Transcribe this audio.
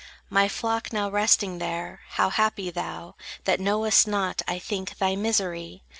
My flock, now resting there, how happy thou, That knowest not, I think, thy misery!